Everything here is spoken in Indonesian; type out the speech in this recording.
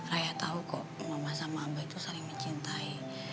raya tau kok mama sama abah itu saling mencintai